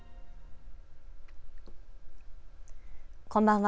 こんばんは。